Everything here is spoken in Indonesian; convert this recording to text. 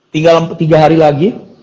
tinggal tiga hari lagi